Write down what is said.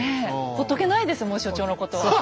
ほっとけないですもん所長のことは。